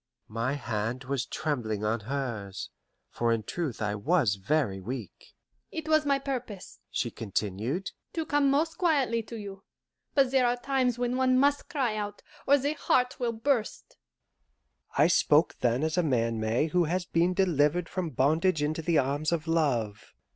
My hand was trembling on hers, for in truth I was very weak. "It was my purpose," she continued, "to come most quietly to you; but there are times when one must cry out, or the heart will burst." I spoke then as a man may who has been delivered from bondage into the arms of love.